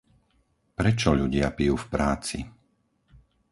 Prečo ľudia pijú v práci?